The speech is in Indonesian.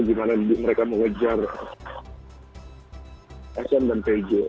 gimana mereka mengejar sn dan pj